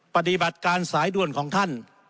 ปฏิบัติการสายด่วนของท่าน